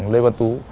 lê văn tú